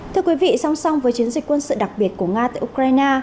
thưa quý vị song song với chiến dịch quân sự đặc biệt của nga tại ukraine